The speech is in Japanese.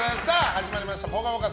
始まりました「ぽかぽか」